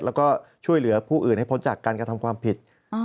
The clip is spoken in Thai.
แล้วก็ช่วยเหลือผู้อื่นให้พ้นจากการกระทำความผิด